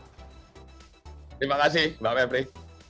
terima kasih mbak mepri